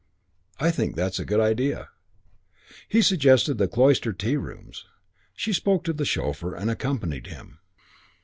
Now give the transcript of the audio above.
"I think that's a good idea." He suggested the Cloister Tea Rooms. She spoke to the chauffeur and accompanied him.